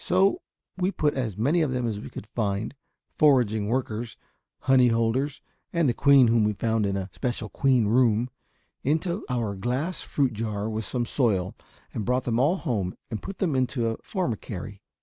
So we put as many of them as we could find, foraging workers, honey holders, and the queen whom we found in a special queen room, into our glass fruit jar with some soil, and brought them all home and put them into a formicary.